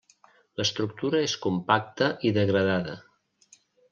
L'estructura és compacta i degradada.